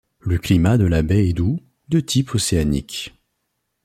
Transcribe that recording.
Le climat de la baie est doux, de type océanique.